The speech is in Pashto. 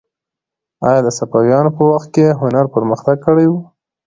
آیا د صفویانو په وخت کې هنر پرمختګ کړی و؟